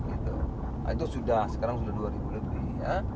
itu sudah sekarang sudah rp dua lebih